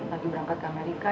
lagi berangkat ke amerika